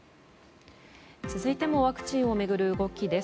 続いてもワクチンを巡る動きです。